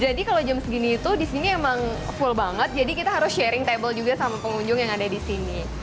jadi kalau jam segini itu disini emang full banget jadi kita harus sharing table juga sama pengunjung yang ada disini